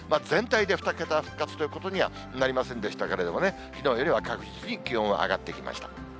全体で２桁復活ということにはなりませんでしたけれども、きのうよりは確実に気温は上がってきました。